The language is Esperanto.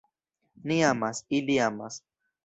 Ni amas, ili amas!